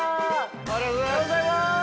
ありがとうございます！